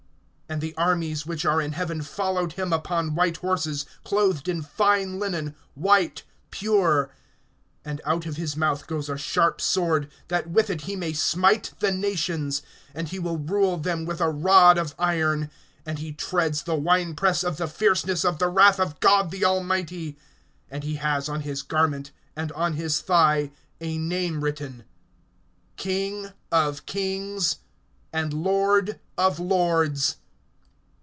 (14)And the armies which are in heaven followed him upon white horses, clothed in fine linen, white, pure. (15)And out of his mouth goes a sharp sword, that with it he may smite the nations; and he will rule them with a rod of iron; and he treads the wine press of the fierceness of the wrath of God the Almighty. (16)And he has on his garment, and on his thigh, a name written: KING OF KINGS, AND LORD OF LORDS.